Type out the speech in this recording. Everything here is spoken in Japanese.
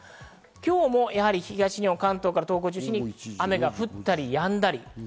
今日もやはり東日本、関東から東北を中心に雨が降ったりやんだり。